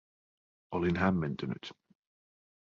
Olin hämmentynyt.